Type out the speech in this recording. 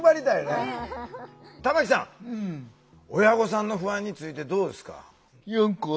親御さんの不安についてどうですか？